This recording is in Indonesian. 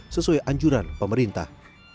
sesuai anjuran pemerintah